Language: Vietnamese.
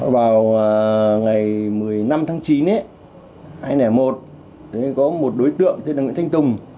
vào ngày một mươi năm tháng chín hai nghìn một có một đối tượng tên là nguyễn thanh tùng